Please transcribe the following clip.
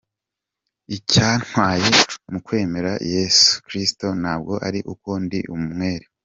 Icya ntwaye mu kwemera Yesu Kristo ntabwo ari uko ndi umwere.